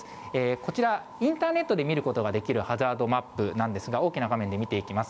こちら、インターネットで見ることができるハザードマップなんですが、大きな画面で見ていきます。